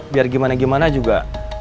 biar gimana gimana juga